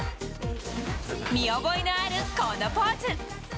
見覚えのあるこのポーズ！